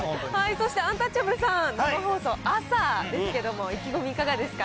そしてアンタッチャブルさん、生放送、朝ですけれども、意気込み、いかがですか？